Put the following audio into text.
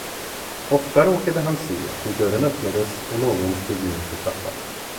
Ofta råkade han se, hur dörren öppnades och någon steg nedför trappan.